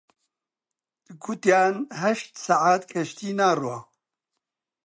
گوتیان هەشت سەعات کەشتی ناڕوا